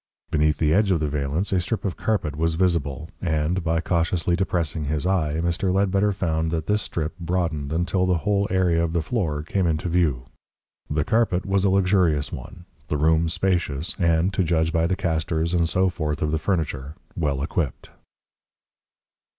Beneath the edge of the valance a strip of carpet was visible, and, by cautiously depressing his eye, Mr. Ledbetter found that this strip broadened until the whole area of the floor came into view. The carpet was a luxurious one, the room spacious, and, to judge by the castors and so forth of the furniture, well equipped.